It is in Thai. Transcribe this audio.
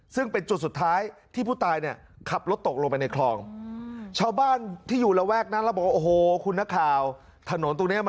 ซึ่งเป็นจุดสุดท้ายที่ผู้ตายเนี่ยขับรถปลากลงไปในคลอง